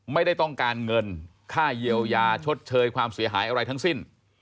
ไม่ได้ต้องการเงินค่าเยียวยาชดเชยความเสียหายอะไรทั้งสิ้น